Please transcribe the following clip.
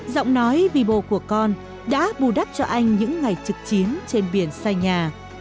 giọng nói vì bồ của con đã bù đắp cho anh những ngày trực chiến trên biển xa nhà